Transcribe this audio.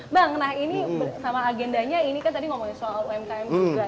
bang nah ini sama agendanya ini kan tadi ngomongin soal umkm juga